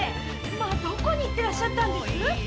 どこに行ってらっしゃったんです？